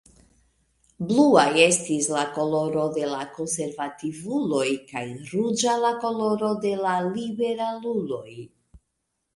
Blua estis la koloro de la konservativuloj, kaj ruĝa la koloro de la liberaluloj.